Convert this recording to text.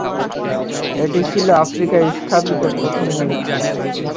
এটি ছিল আফ্রিকায় স্থাপিত প্রথম মসজিদ।